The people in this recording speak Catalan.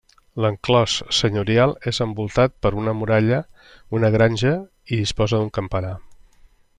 L'enclòs senyorial és envoltat per una muralla, una granja i disposa d'un campanar.